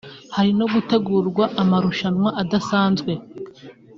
hari no gutegurwa amarushanwa adasanzwe